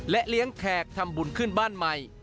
เลี้ยงแขกทำบุญขึ้นบ้านใหม่